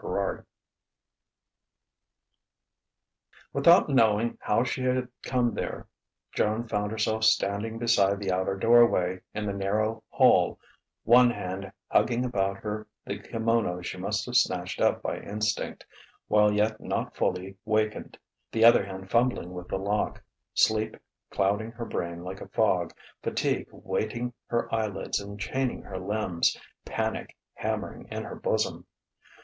XXXVI Without knowing how she had come there, Joan found herself standing beside the outer doorway, in the narrow hall; one hand hugging about her the kimono she must have snatched up by instinct, while yet not fully wakened, the other hand fumbling with the lock; sleep clouding her brain like a fog, fatigue weighting her eyelids and chaining her limbs, panic hammering in her bosom.